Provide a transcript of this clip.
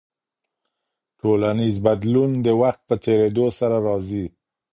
ټولنیز بدلون د وخت په تیریدو سره راځي.